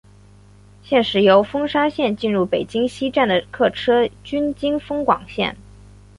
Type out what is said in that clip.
现时由丰沙线进入北京西站的客车均经丰广线。